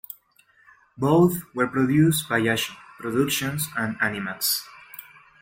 Both were produced by Ashi Productions and Animax.